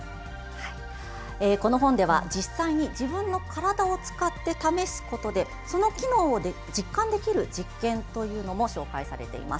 この本では実際に自分の体を使って試すことでその機能を実感できる実験というのも紹介されています。